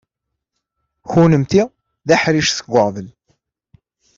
Kennemti d aḥric seg uɣbel.